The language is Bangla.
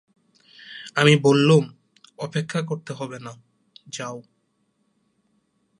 আমি বললুম, অপেক্ষা করতে হবে না, যাও।